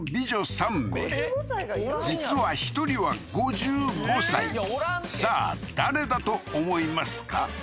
３名実は１人は５５歳さあ誰だと思いますか？